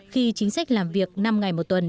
khi chính sách làm việc năm ngày một tuần